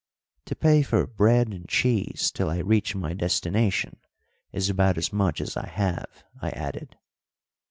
"To pay for bread and cheese till I reach my destination is about as much as I have," I added.